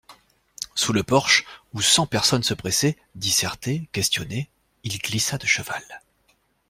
Sous le porche, où cent personnes se pressaient, dissertaient, questionnaient, il glissa de cheval.